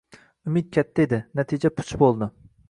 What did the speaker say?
Umid katta edi, natija puch bo'ldi.